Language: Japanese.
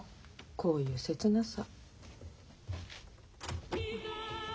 こういう切なさ。